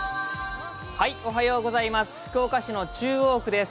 福岡市の中央区です。